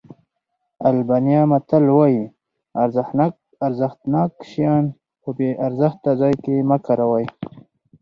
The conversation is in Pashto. آلبانیا متل وایي ارزښتناک شیان په بې ارزښته ځای کې مه کاروئ.